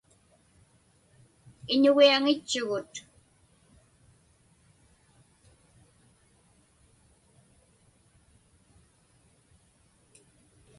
Iñugiaŋitchugut.